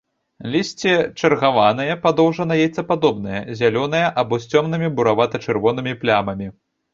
Лісце чаргаванае, падоўжана-яйцападобнае, зялёнае або з цёмнымі буравата-чырвонымі плямамі.